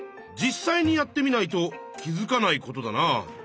実際にやってみないと気づかないことだな。